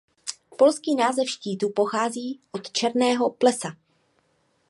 Polský název štítu pochází od Černého plesa.